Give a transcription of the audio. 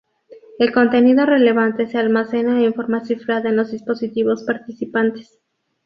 El contenido relevante se almacena en forma cifrada en los dispositivos participantes.